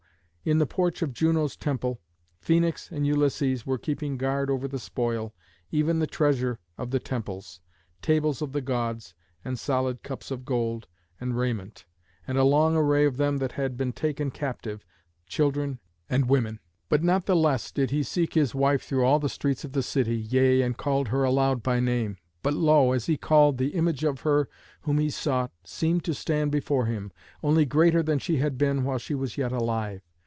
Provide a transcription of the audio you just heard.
in the porch of Juno's temple, Phœnix and Ulysses were keeping guard over the spoil, even the treasure of the temples, tables of the Gods, and solid cups of gold, and raiment, and a long array of them that had been taken captive, children and women. But not the less did he seek his wife through all the streets of the city, yea, and called her aloud by name. But lo! as he called, the image of her whom he sought seemed to stand before him, only greater than she had been while she was yet alive.